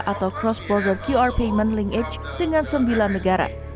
atau cross border qr payment linkage dengan sembilan negara